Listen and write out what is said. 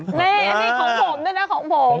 ไม่มีของผมด้วยนะของผม